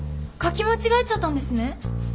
書き間違えちゃったんですね。